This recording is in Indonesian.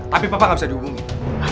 tapi papa gak bisa dihubungin